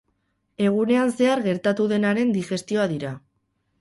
Egunean zehar gertatu denaren digestioa dira.